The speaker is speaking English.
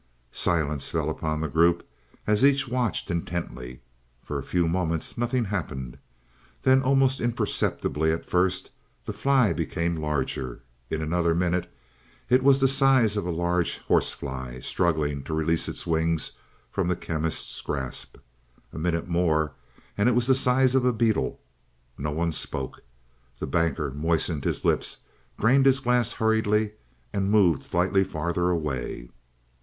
Silence fell upon the group as each watched intently. For a few moments nothing happened. Then, almost imperceptibly at first, the fly became larger. In another minute it was the size of a large horse fly, struggling to release its wings from the Chemist's grasp. A minute more and it was the size of a beetle. No one spoke. The Banker moistened his lips, drained his glass hurriedly and moved slightly farther away.